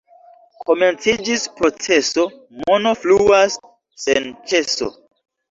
Komenciĝis proceso, mono fluas sen ĉeso.